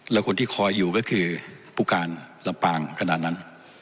แล้วคนที่คอยอยู่ก็คือผู้การลำปางขนาดนั้น